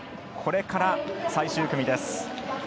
これから、最終組です。